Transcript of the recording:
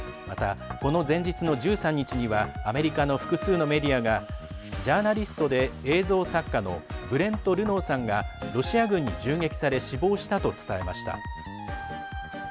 また、この前日の１３日にはアメリカの複数のメディアがジャーナリストで映像作家のブレント・ルノーさんがロシア軍に銃撃され死亡したと伝えました。